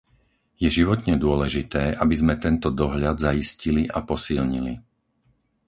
Je životne dôležité, aby sme tento dohľad zaistili a posilnili.